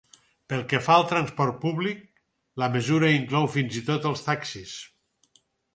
Pel que fa al transport públic la mesura inclou fins i tot els taxis.